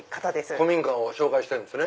古民家を紹介してるんですね。